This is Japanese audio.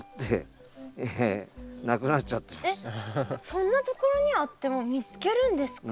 そんなところにあっても見つけるんですか？